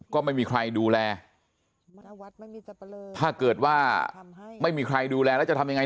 ก็ไม่มีใครดูแลถ้าเกิดว่าไม่มีใครดูแลแล้วจะทำยังไง